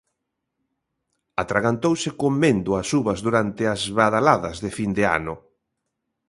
Atragantouse comendo as uvas durante as badaladas de fin de ano